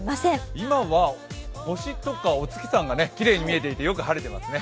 今は星とかお月さんが見えていて、よく晴れていますね。